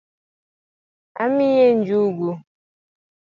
Amiyie njugu?